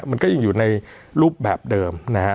มันก็ยังอยู่ในรูปแบบเดิมนะฮะ